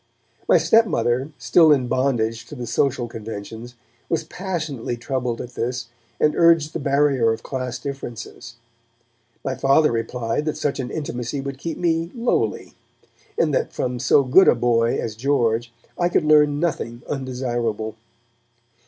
My stepmother, still in bondage to the social conventions, was passionately troubled at this, and urged the barrier of class differences. My Father replied that such an intimacy would keep me 'lowly', and that from so good a boy as George I could learn nothing undesirable.